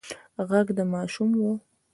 غږ د ماشوم و.